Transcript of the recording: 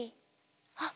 ．あっ